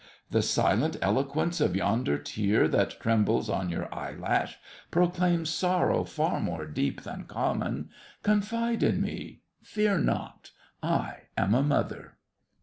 The silent eloquence Of yonder tear that trembles on your eyelash Proclaims a sorrow far more deep than common; Confide in me—fear not—I am a mother!